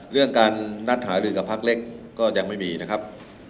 เรื่องการนัดหาลือกับพักเล็กก็ยังไม่มีนะครับ